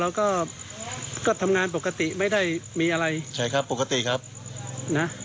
แล้วก็ก็ทำงานปกติไม่ได้มีอะไรใช่ครับปกติครับนะ